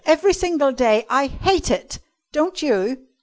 every single day. I hate it, don't you?"